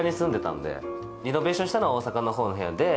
リノベーションしたのは大阪の方の部屋で。